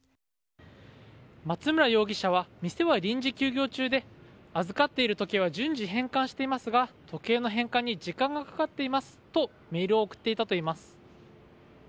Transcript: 松村容疑者は店は臨時休業中で預かっている時計は順次返還していますが時計の返還に時間がかかっていますとメールを送っていたといいます。